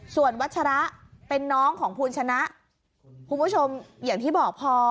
ส่วนวัชระเป็นน้องของภูลชนะคุณผู้ชมอย่างที่บอกพอ